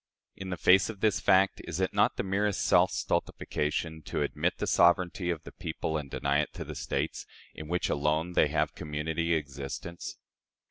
In the face of this fact, is it not the merest self stultification to admit the sovereignty of the people and deny it to the States, in which alone they have community existence?